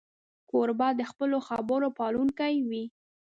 کوربه د خپلو خبرو پالونکی وي.